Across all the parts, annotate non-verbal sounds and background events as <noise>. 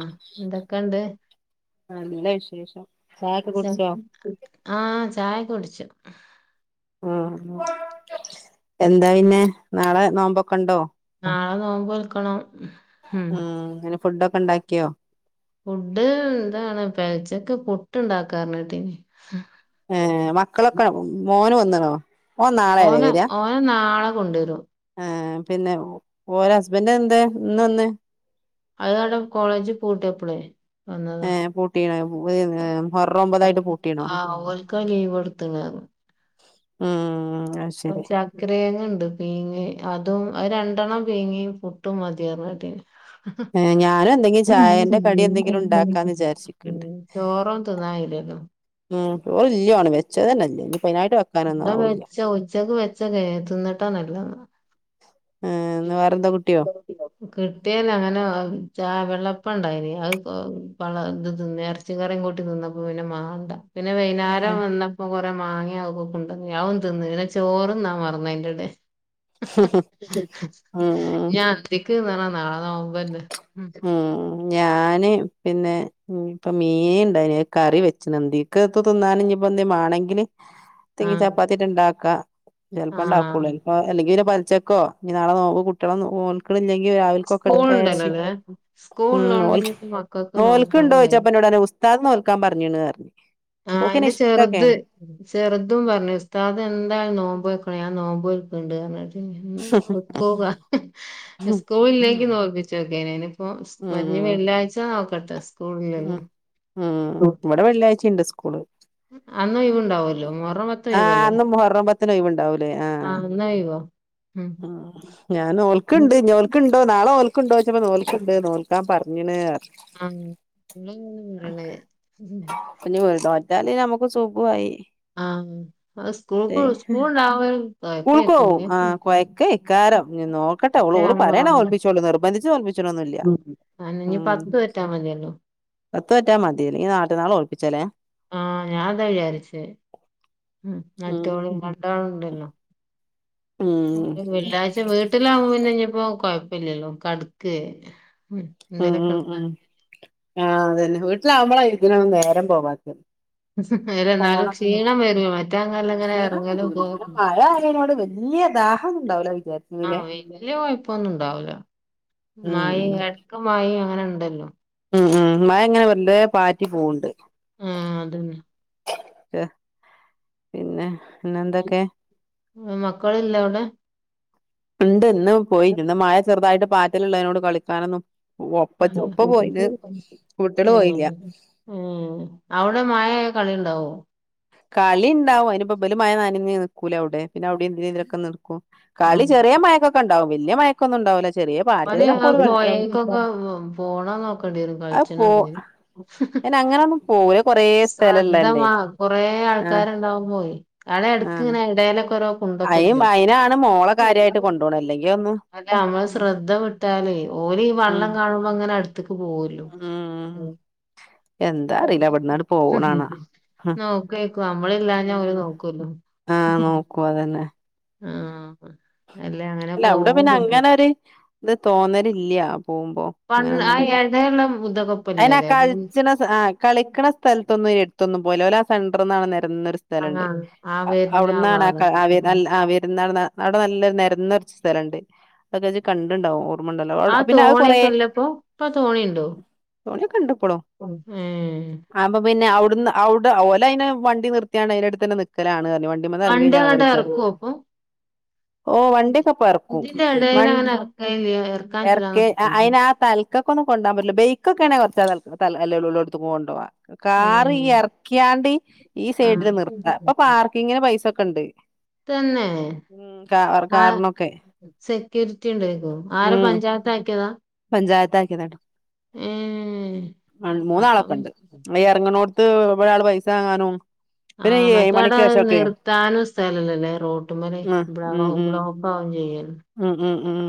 ആഹ് എന്തെക്കെണ്ട്? നല്ല വിശേഷം ചായൊക്കെ ച കുടിച്ചോ? ആഹ് ചായൊക്കെ കുടിച്ച് ഉം എന്താ പിന്നെ നാളെ നോമ്പൊക്കെ ഇണ്ടോ? നാളെ നോമ്പ് നോൽക്കണം ഉം അയിന് ഫുഡൊക്കെ ഇണ്ടാക്കിയോ? ഫുഡ് ഇതാണ് പെൽച്ചെക്ക് പുട്ട് ഇണ്ടാക്കാർഞ്ഞേട്ടീനി ഏഹ് മക്കളൊക്കെ മ് മോന് വന്ന്ണോ? ഓൻ നാളെല്ലേ മോന് ഓനെ നാളെ കൊണ്ടോരും ആഹ് പിന്നെ ഓരെ ഹസ്ബൻഡ് എന്തെ ഇന്ന് വന്നെ? അത് അവ്ടെ കോളേജ് പൂട്ടിയപ്പളേ വന്നതാ ഏഹ് പൂട്ടീണോ മുഹറം ഒമ്പതായിട്ട് പൂട്ടീണോ ആഹ് ഓൽക്ക് ലീവ് കൊട്ത്ത്ണർഞ്ഞ് ഉം ഉം അഹ് ശരി ച ക്കരേങ്ങ്ണ്ട് പീങ്ങെ അതും അത് രണ്ടെണ്ണം പീങ്ങി പുട്ടും മതിയർഞ്ഞേട്ടിണ് ഞാനും എന്തെങ്കിലും അത് എങ്ങനെ ചായന്റെ കടി ചക്കരേങ്ങ് എന്തെങ്കിലും കറില്ലാതെ ഉണ്ടാക്കാന്ന് <unintelligible> ഉം വിചാരിച്ചിക്ക്ണ്ട് ചോറൊ ന്നും തിന്നാ കയ്യൂലല്ലോ മ് ചോറ് ഇല്ല്യാണും വെച്ചതന്നെല്ല്യ ഇഞ്ഞ്പ്പയ്നായിട്ട് വെ ഇവടെ വെച്ചോ ഉച്ചക്ക് വെച്ചക്കെയ്തീനി തിന്ന്ട്ടെന്നല്ല ഏഹ് ഇന്ന് വേറെന്താ കുട്ടിയോ അതാ ഉം കിട്ടിയേല്ല അങ്ങനെ അ ചായ വെള്ളപ്പണ്ടായിനി അത് കൊ പള്ള ഇത് തിന്ന് എർച്ചി ച്ചി കറിയും കൂട്ടി തിന്നപ്പോ പിന്നെ മാണ്ട പിന്നെ വൈന്നാരം ഉം നിന്നപ്പോ കൊറെ മാങ്ങയാകും ഉണ്ട ഞാവു തിന്ന് ഇരിന്ന ചോറുണ്ണ മറന്നു അതിന്റെടെ ഉം ഇഞ് അന്തിക്ക്ന്നണാ നാളെ നോമ്പല്ലേ ഉം ഞാനെ പിന്നെ ഉം ഇപ്പൊ മീൻണ്ടായിനെ കറി വെച്ച്നദ്ധിക്ക് പ്പ തിന്നാന് ഇനിപ്പോ എന്തേ മാണെങ്കില് തെങ്ങി ആഹ് ചപ്പാത്തിട്ട് ഇണ്ടാക്കാ എളുപ്പോണ്ടാക്കുള്ളൂ ആഹ് എൻകോ അല്ലെങ്കില് പലിച്ചക്കോ ഇനി നാളെ നോവ് കുട്ടികളെ നോൽക്കളില്ലെങ്കിൽ രാവിലെക്കൊക്കെ എടുക്കായിരിച്ച് സ്കൂ ഉം നോൽ നോൽക്കുണ്ടോ കഴിയും ച്ചപ്പോ എന്നോട് പറഞ്ഞ് ഉസ്താദ് നോൽക്കാൻ പറഞ്ഞ്ണ് അറിഞ്ഞ് ആഹ് ന്റെ ചെറുത് ചെറുതും പറഞ്ഞു ഉസ്താദ് എന്താ നോമ്പോയ്ക്കണെ ഞാൻ നോമ്പോൾക്കിണ്ട് പോകുവ സ്കൂളില്ലെങ്കി നോർപ്പിച്ച് നോക്കിയെനെന് ഇപ്പൊ വരുന്ന വെള്ളിയാഴ്ച നോക്കട്ടെ ഉ സ്കൂളില്ലല്ലോ ഉം ഇവിടെ വെള്ളിയാഴ്ചയുണ്ട് സ്കൂള് അന്ന് ഒഴിവുണ്ടാവല്ലോ മുഹറം പത്ത് ആഹ ഒഴിവല്ലേ അന്നും മുഹറം പത്തിന് ഒഴിവു ഉണ്ടാവും ലേ ആഹ ആഹ് ഇന്ന് ഒഴിവാ ഉം ഉ ഞാൻ നോൽക്കുണ്ട് ഇഞ് ക്കുണ്ടോ നാളെ നോൽക്കുണ്ടോച്ചപ്പോ നോക്കുണ്ട് നോൽക്കൻ പറഞ്ഞണ് പറഞ്ഞു <unintelligible> പിന്നെ. നോറ്റാല് നമുക്ക് സുഖമായി ആഹ സ്കൂൾ സ്കൂൾണ്ടാവ കോയക്കേകുലെ ക്കാരം നോക്കട്ടെ അവഓള് ഓള് പറയണ നോൽപിച്ചോളൂ നിർബന്ധിച്ച് നോൽപ്പിച്ചനൊന്നുല്ല ഉ പത്തു നോറ്റ് മതിയല്ലോ പത്ത് നോറ്റ് മതിയല്ലങ്ക മറ്റന്നാൾ നോൽപ്പിച്ചല്ലേ ആഹ ഞാൻതാ വിചാരിച്ചേ ഉ ഉം മറ്റോളും രണ്ടാൾ ഉണ്ടല്ലോ ഉം വെള്ളിയാഴ്ച വീട്ടിലാവകുമ്പോ പിന്നെ ഇഞ്ഞപ്പോ കൊഴപ്പില്ലല്ലോ കടുക്ക ഉം ഉം ഉം ആ അതന്നെ വീട്ടിലാവുമ്പോളാ ഇതിന നേരം പോവാത്ത എന്നാലും ക്ഷീണം വരുമ മറ്റാങ്ങല്ല എങ്ങനെ ക്ഷീണം ഇറങ്ങാലും വരൂല ഇവിടെ പോകുന്നു മഴ ആയതിനോട് വല്യ ദാഹൊന്നും ഉണ്ടാവൂല ആഹ വിചാരിച്ചീനിലേ വലിയ കുഴപ്പൊന്നും ഇണ്ടാവൂല മഴ ഉം ഇടക്ക് മഴയും അങ്ങനെ ഉണ്ടല്ലോ ഉം ഉം മഴ ങ്ങനെ വല്ലേ പാറ്റി പോവണ്ട് ആഹ് അതന്നെ പിന്നെ പിന്നെ എന്തൊക്കെ ഉ മക്കൾ ല്ലെ അവിടെ ഉണ്ട് ഇന്ന് പോയില്ല ഇന്ന് മഴ ചെറുതായിട്ട് പാറ്റലുള്ള അതിനോട് കളിക്കാനൊന്നും ഒപ്പ ഏഹ് ഒപ്പ പോയിന് കൂട്ടികള് പോയില്ല ഉം അവിടെ മഴ ആയാൽ കളി ഉണ്ടാവോ കളി ഉണ്ടാവും അതിന്പ്പൽ മഴ നനഞ്ഞു നിൽക്കൂലേ അവിടെ പിന്നെ അവിടെ എന്തിനെലൊക്കെ നിൽക്കും കളി ആഹ് ചെറിയ മയക്കെണ്ടും വലിയ മയക്കൊന്നും ഉണ്ടാവില്ലേ ചെറിയ ഓന് ആ <unintelligible> കോയക്കൊക്കെ പോണ നോക്കേണ്ടി വരും അപ്പോ കളിച്ചണത് പിന്ന അങ്ങനെ ഒന്നും പോവൂല അഹ് കൊറെ സ്ഥലല്ലല്ലേ കൊറെേ ആൾക്കാരുണ്ടാവൻ പോയി അടെ എടുക്ക്നെ ഇടയിലൊക്ക അയി അയിനാണ് മോളെ കാര്യായിട്ട് കൊണ്ടു പോണത് അല്ലെങ്ക ഒന്നു അല്ലെ നമ്മള് ശ്രദ്ധ വിട്ടാല് ഓല ഈ ഉം വെള്ളം കാണുമ്പോ അങ്ങനെ അടുത്തക്ക് പോരും ഉം എന്താ അറിയില്ല അവിടുന്നാട് പോണണാ നോക്കേക്കും നമ്മള ഇല്ലാഞ്ഞാ അവര് ഉം നോക്കല്ലോ ആഹ് നോക്കും അതന്നെ ആഹ് അല്ലെ അങ്ങനെ അല്ല അവിടെ പോവും പിന്നെ കിട്ടും അങ്ങനെ ഒരു ഇത് തോന്നലില്ല്യാ പോകുമ്പോ വന്ന് അങ്ങനെന്നട്ട് ആഹ് എടീ ഴുള്ള ഉതകൊപ്പല്ലല്ലേ ആഹ് കളിക്കണ സ്ഥലത്തൊന്നും എടുത്തൊന്നും പോവില ഓലാ ആ സെന്റർന്നാണ് നെരന്നൊരു ആ ആ <unintelligible> വരുന്ന അവിടുന്നാണ് ആ ക ആഹ് വേ ഭാഗത്തൊക്കെ അല്ല അവരുന്നാണന്ന അവിടെ നല്ലൊ നെരന്നൊരു സ്ഥലണ്ട് അതൊക്കെ നീ കണ്ടുണ്ടാവും ഓർമ്മ ഉണ്ടല്ലോ അവ്ടെ പിന്നെ ആ കൊറേ ഇപ്പ തോണിയുണ്ടോ തോണിയൊക്കെണ്ട് ഇപ്പളും ഏ അപ്പ പിന്നെ അവിടന്ന് അവുടെ ഓല അതിനെ വണ്ടി നിർത്തിയാണ് അതിന്റെ അടുത്ത് തന്നെ നിക്കലാണ് പറഞ്ഞു അതുമ്മെന്ന് വണ്ടി അങ്ങട്ട് എറങ്ങിക്കഴിഞ്ഞ <unintelligible> ഇറക്കുവോ ഇപ്പൊ ഓഹ് വണ്ടിയക്കപ്പൊ എറക്കും ഇതിന്റെ ഇടയിൽ വണ്ടി അങ്ങനെ ഇറക്കലില്ല ഇറക്കാൻ പറ്റൂല എറക്കെ അയിന് ആ തൽ <unintelligible> ഒന്നും കൊണ്ടാൻപറ്റില്ല ബൈക്കൊക്കെ ആണേ <unintelligible> കൊണ്ടോവാ ഏ കാറി ഈ എറക്കിയാണ്ടി ഈ ആ സെയ്ഡില് നിർത്താ ഇപ്പൊ പാർക്കിങ്ങിന് പൈസൊക്കെണ്ട് ഉം കാ ആഹ് കാറിനൊക്കെ സെക്യൂരിറ്റി ഉണ്ടക്കോ ആരാ പഞ്ചായത്താക്കിയതാ പഞ്ചായത്താക്കിയതാണ് ഉം അപ്പം മൂന്നാളൊക്കെ <unintelligible> എറങ്ങണോടത്ത് എവിടെ ആള് പൈസാങ്ങാനും ആഹ് മറ്റേട നിർത്താനും സ്ഥലല്ലല്ലേ റോട്ടുംമ്മല് ഉം ഉം ഉം <unintelligible> <unintelligible> ഉം ഉം ഉം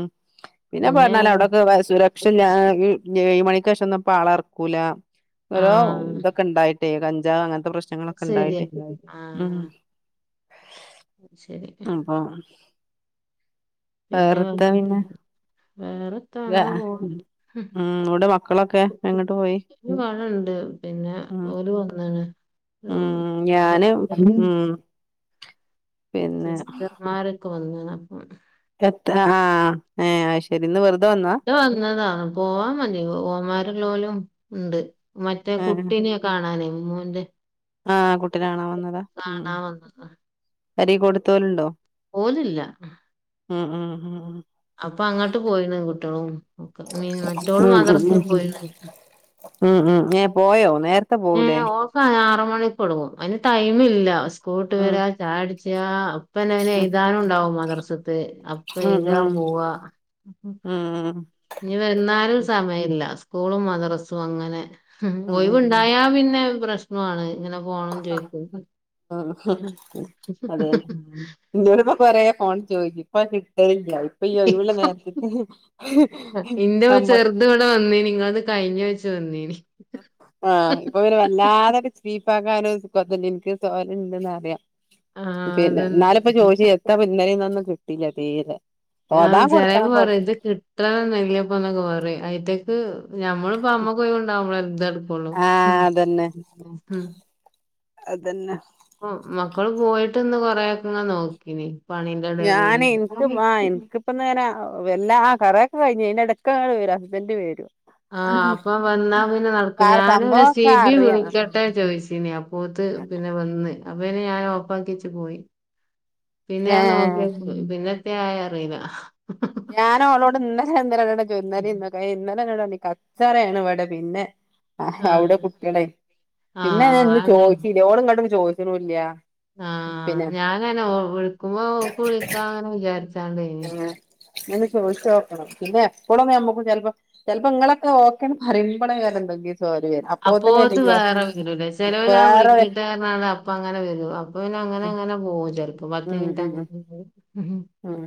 പിന്നെ പറഞ്ഞാല് അവ്ടെക്കെ സുരക്ഷ ഞാ ഉം ഏഴ് മണിക്കേഷം ഒന്നുപ്പാളെ അറക്കൂല ആ ഓരോ ഇതൊക്കെ ഇണ്ടായിട്ടേ കഞ്ചാവ അങ്ങനത്തെ പ്രശ് പ്രശ്നങ്ങളൊക്കെ ശരി ഉണ്ടായിട്ടെ ആ ഉം ശരി അപ്പോൾ വേറെന്താ പിന്നെ വേറെന്താ വേ ഉം എവിടെ മക്കളൊക്കെ എങ്ങട്ട് പോയി <unintelligible> പിന്നെ ഉം ഓല് വന്നാണ് ഉം ഓഹ് ഞാന് ഉം <unintelligible> പിന്നെ സിസ്റ്റമാരൊക്കെ വന്നേന്നു അപ്പം എത്ര ആഹ് ഏഹ് അത്ശരി ഇന്ന് വെറുതെ വന്നതാ വെറുതെ വന്നതാ പോവാൻ വേണ്ടി ഓന്മാരുള്ള പോലും ഉണ്ട് മറ്റേ ഏഹ് കുട്ടിനെയൊ ക്കെ കാണാനേ മോന്റെ ആഹ് കുട്ടിനെ കാണാ വന്നതാ ഉം ഉം കാണാൻ വന്നതാ അരി കൊടുത്തോലുണ്ടോ ഓലില്ല ഉം ഉം ഉം ഉം അപ്പൊ അങ്ങട്ട് പോയിണ് കുട്ടികളും ഒക്കെ <unintelligible> മറ്റോള് ഉം മദ്രസ ഉം പോയിണ് ഉം ഉം ഏഹ് പോയോ നേരത്തെ പോവൂലേ ആഹ് ആറ് മണിക്കൊടങ്ങും അതിന് ടൈമില്ല സ്കൂളുട്ട് ഉം വരാ ചായകുടിച്ചിയ അപ്പന്നെ <unintelligible> എഴുതാനും ഉണ്ടാവും മദർസത്തെ അപ് ഇപ്പ ഉം എയുതുകാ ഉം പോവാ ഉം ഉം ഇനി വന്നാലും സമയില്ല സ്കൂളും മദ്രസും അങ്ങനെ ഉം ഒയിവുണ്ട് ഉം ഞാൻ പിന്നെ പ്രശ്നവാണ് ഇങ്ങനെ പോണോന്നു ചോദിക്കുമ്പം ആഹ് ഇന്നോട്പ്പൊ പറയാ ഫോൺ ചോയ്ച്ച് ഇപ്പത് കിട്ടലില്ല ഇപ്പയ്യീ ഒയ്വ്ള്ള നേര്ത്ത് ഇന്റെ ചെർത് വടെ വെന്നീനി ഇങ്ങൾത് കയ്ഞൊച്ച് വെന്നീനി ആഹ് ഇപ്പൊങ്ങനെ വെല്ലാതെ <unintelligible> ണ്ട്ന്നറിയാ ആ പിന്നെ അതന്നെ ന്നാലുപ്പ ചോയ്ച്ച് എത്താപ്പ ഇന്നലെന്നൊന്നും കിട്ടില്ല തീരെ ആഹ് ഓതാൻ ചെലേപ്പ കൊടുക്കണം പറയും കൊറച്ച് ഇത് കിട്ടണംന്ന്ല്ലപ്പന്നൊക്കെ പയും അയ്ന്റക്ക് ഞമ്മള് പ്പ അമ്മക്കൊയ്ണ്ടാവുമ്പളല്ലെ ഇതട്ക്കൊള്ളു ഉം ആഹ് ഉം അതെന്നെ പപ്പം മക്കള് പോയിട്ട് ഇന്ന് കൊറെക്കെങ്ങനെ നോക്കിനി പണിന്റെടേ കൂടി ഇപ്പ നേര വെല്ലാ ആ കൊറേക്കെ കയ്ഞ് അയ്ന്റെ എടക്കണ്ട് വെരും ഹസ്ബന്റ് വെരും ആഹ് അപ്പൊ വന്നാ പിന്നെ നടക്കുല ആഹ് ഞാന് പിന്നെ സംഭവൊക്കെ സിബി അറിയാം വിളിക്കട്ടെ ചോയ്ച്ചീനി അപ് പോത്ത് പിന്നെ വെന്ന് അപ്പെന് ഞാൻ ഓഫാക്കി വെച്ച് പോയി പിന്നെ ഞാൻ ഏഹ് നോക്ക്യ പിന്നെത്തെ ആയറില്ല ഞാനോളോട് ഇന്നലെ ഇന്നലെരട്ടം ചോയ് ഇന്നലേം ഇന്നൊക്കെ ഏയ് ഇന്നലെന്നോട് പർഞ് കച്ചറേണ് ഇവടെ പിന്നെ ആഹ് അവടെ കുട്ട്യാളെ പിന്നതെ ആഹ് ഇന്ന് അല്ല ചോയ്ച്ചില്ല ഓള് ങ്ങട്ട് ചോയ്ച്ച്ണുല്ല ആഹ് ഞാന അതെന്നെ വിളിക്കുമ്പോ ഓക്ക് വിളിക്കാങ്ങനെ വിചാരിച്ചാണ്ടേനി അതൊന്ന് ചോയ്ച്ചോക്കണം പിന്നെ എപ്പളും ഞമ്മക്കും ചെൽപ്പം ചെൽപ്പം ഇങ്ങളൊക്കെ അപ്പോത്ത് <unintelligible> <unintelligible> അ അതപ്പങ്ങനെ വെരും അപ്പ പിന്നെ അങ്ങനെ ഉം അങ്ങനെ പോകും ചെൽപ്പോ പത്ത് ഉം മിൻറ്റ് ഉം അങ്ങനെ പോം ഉം ഉം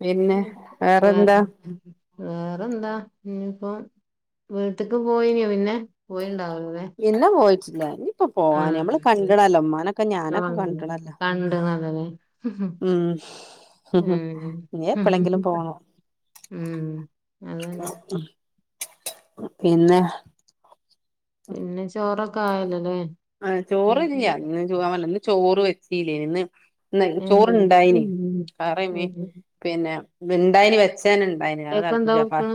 പിന്നെ വേറെന്താ വേറെ വേറെന്താ ഞ്ഞിപ്പം വീട്ട്ക്ക് പോയിനോ പിന്നെ പോയിണ്ടാവൂലലെ പിന്നെ പോയിട്ടില്ല ഞ്ഞിപ്പൊ പോവാന് ഞമ്മള് കണ്ട്ണല്ലോ ഉമ്മാനൊക്കെ ഞാനൊക്കെ കണ്ട്ണല്ലോ കണ്ട്ണല്ലോല്ലേ ഉം ഞ്ഞി എപ്പളെങ്കിലും ഉം പോണം ഉം അതെന്നെ പിന്നെ പിന്നെ ചോറൊക്കെ ആയല്ലോല്ലേ ആ ചോറ് ഇല്ലാ ഇന്ന് ഞാ ഇക്ക പർഞ്ലെ ഇന്ന് ചോറ് വെ ച്ചീല്ലേന് ന്ന് ന്ന് ചോറ്ണ്ടായിന് <unintelligible> പിന്നെ ഇണ്ടായിന് വെച്ചതെന്നെ ണ്ടായിന് അത് എന്താ തളപ്പിച്ചപ്പൊ കൊടുക്കണ്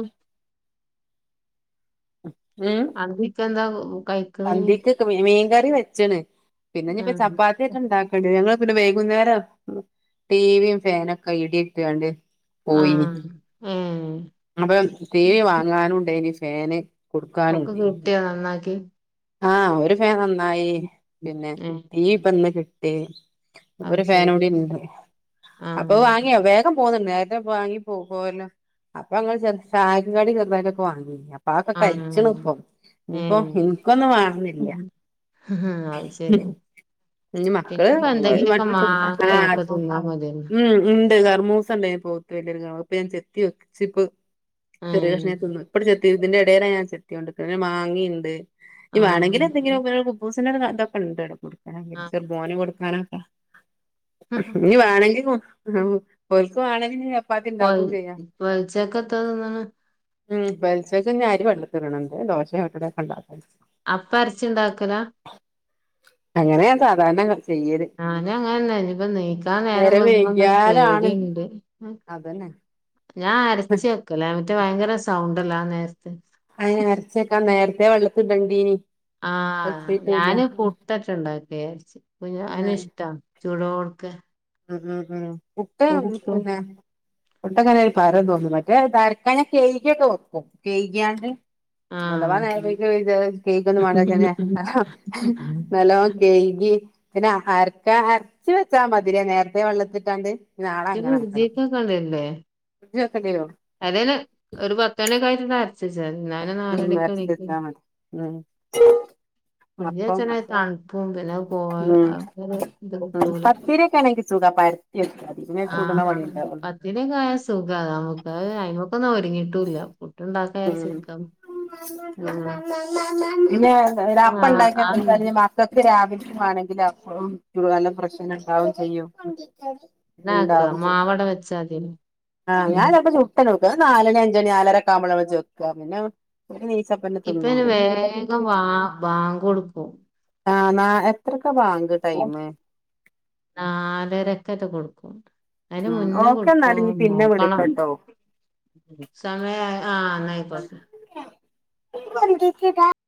ഉം അന്തിക്കെന്താ കഴ് അന്തിക്ക് മീൻകറി വെച്ച്ണ് പിന്നെ ഞ്ഞിപ്പ ആഹ് ചപ്പാ ത്യോക്കെ ഇണ്ടാക്കണ്ടി വെരും ഞങ്ങള് പിന്നെ വൈകുന്നേരം ടിവിയും ഫാനൊക്കെ ഇടിട്ടാണ്ട് പോയിനി ആഹ് ഏഹ് അപ്പം ടി വി വാങ്ങാനുണ്ടയ്നി ഫാന് കൊടുക്കാനും ഒക്കെ ഉണ്ടേനി കിട്ട്യോ നന്നാക്കി ആഹ് ഒരു ഫാൻ നന്നായി പിന്നെ ഏഹ് ടി വി പ്പ ഇന്ന് കിട്ടി അത് അപ്പൊരു ശരി ഫാനൂടിണ്ട് അപ്പൊ ആഹ് വാങ്ങ്യ വേഗം പോന്ന്ണ്ട് നേ <unintelligible> വാങ്ങി പോയല്ലോ അപ്പൊ ഞങ്ങള് ചെന്ന് ചായക്ക് കടി ചെറുതായിട്ടൊക്കെ വാങ്ങി പാക്കെ കയ്ച്ച്ണ് ആഹ് പ്പൊ ഞ്ഞിപ്പോ ഇ ഏഹ് പ്പൊന്നും വാണന്നില്ല അത് ശരി മക്കള് പിന്നെപ്പ എന്തെങ്കിലുമൊക്കെ <unintelligible> ആ മാങ്ങയൊക്കെ തിന്നാ മതിയല്ലോ ഉം ണ്ട് കർമൂസണ്ടേനി പോത്ത് <unintelligible> അത്പ്പൊ ഞാൻ ചെത്തി വെച്ച് പ്പൊ ചെറിയൊര് കഷ്ണം ഏഹ് ഞാൻ തിന്ന് ഇപ്പണ്ട് ചെത്തി ഇതിന്റെ എടേലാണ് ഞാൻ ചെത്യോണ്ട് നിക്ക്ണ പിന്നെ മാങ്ങ്യണ്ട് ഇനി വേണെങ്കില് ആഹ് എന്തെങ്കിലും കുബൂസിന്റെ ഇതൊക്കെ ഇണ്ട് ഇവടെ മോന് കൊടുക്കാനൊക്കെ ആഹ് ഇനി വേണെങ്കിൽ ഓൽക്ക് വേണെങ്ക പൊൽ പൊൽച്ചക്കത്തെ തിന്നണ് ഉം പെൽച്ചക്ക് ഇനി അരി വെള്ളത്തിലിടണം ദോശയും ഓട്ടട ഒക്കെ ഇണ്ടാക്കും അപ്പം അരച്ച്ണ്ടാക്കല അങ്ങനെയാ ഞാൻ സാധാരണ ചെയ്യല് ഞാൻ അങ്ങനെന്ന ഇപ്പ നീക്കാൻ നേരം വൈകോന്നൊരു പേടിണ്ട് അതന്നെ ഞാൻ അരച്ച് വെക്കലാ മറ്റേ ഭയങ്കര സൗണ്ടല്ലേ ആ നേരത്ത് അയിന് അരച്ചെക്കാൻ നേരത്തെ വെള്ളത്തിൽ ഇടണ്ടീനി ആഹ ഞാന് പുട്ടേറ്റെ ഇണ്ടാക്ക വിചാരിച് അപ്പൊ ഞാൻ ഉം ഇഷ്ടാ ചൂടോട്ക്കെ ഉ ഉം ഉം പുട്ട് പുട്ടും പിന്നെ പുട്ടങ്ങനെ ഒരു പരം തോന്നും മറ്റേ തരക്ക ഞാന് കഴികി ഒക്കെ വെക്കും കഴിക്യാണ്ട് അഥവാ ആഹ് നേരം വൈയ്ക്യ പിന്നെ കേയ്ക്കൊന്നും വേണ്ട ഇങ്ങനെ ഇജ്ജ് നല്ലോം കയികി പിന്നെ അരക്കാ അരച്ച് വെച്ചാ മതിലേ നേരത്തെ വെള്ളത്തിട്ടാണ്ട് ഇത് ജീ <unintelligible> ഫ്രിഡ്ജ്ല് വെക്കേണ്ടി വെരോ അതെനെ ഒരു പത്ത എണ്ണ ഒക്കെ ആയിട്ട് ഒന്ന് അര രിച്ചരി ഞാന് ഉം നാലണിക്ക് അരച്ച് എണീക്കും വെച്ചാ മതി ഉം അപ്പം പിന്നെച്ചാല് തണുപ്പും പിന്നെ അ ഇത് കിട്ടൂല തിരൊക്കെയാണെങ്കിൽ ചൂടാ പരത്തി വെക്ക ഇങ്ങനെ ചൂട്ണ പണി ഉണ്ടാവുള്ളൂ ത്തിരി ഒക്കെ ആയ സുഖ നമുക്ക് അത്‌ അയിമക്കൊന്നും ഒരുങ്ങിയിട്ടുംല്ല പുട്ടുണ്ടാക്ക ഉം ഉം പിന്നെ അപ്പം ഇണ്ടാക്ക ഇതൊക്കെ രാവില്ക്കി വേണെങ്കിൽ അപ്പളും നല്ല ഫ്രഷന്നെ ഇണ്ടാവും ചെയ്യും ഇണ്ടാവും ചെയ്യും വെച്ചാതില്ലോ ആഹ് ഞാന് ചെലപ്പോ ചുട്ടണ്ട് വെക്കും നാലണി അഞ്ചണി നാലരൊക്കെ ആവ്മ്പളാ പിന്നെ ണീ ഇപ്പയ്ന് വേഗം വാ വാങ്ക് കൊട്ക്കും ആഹ് നാ എത്രക്കാ ബാങ്ക് ടൈമ് നാലരക്കേറ്റെ കൊടുക്കും അതിന് ഉം മുന്നേ ഓക്കെ എന്നാല് ഇനി കൊടുക്കോന്ന് പിന്നെ നോക്കണം വിളിക്കട്ടോ സമയ ആ ന്നാ <unintelligible>